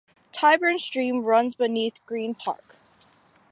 Tyburn stream runs beneath Green Park.